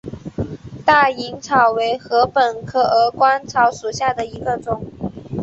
大颖草为禾本科鹅观草属下的一个种。